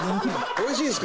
おいしいですね。